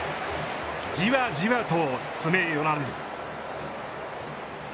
じわじわと詰め寄られる。